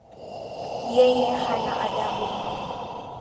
Yeye hana adabu